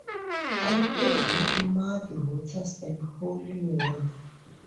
I played with Muddy Waters and Howlin' Wolf.